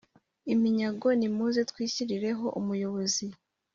Iminyago nimuze twishyirireho umuyobozi